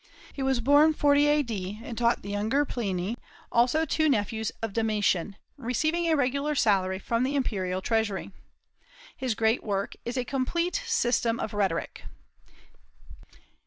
He was born 40 A.D., and taught the younger Pliny, also two nephews of Domitian, receiving a regular salary from the imperial treasury. His great work is a complete system of rhetoric.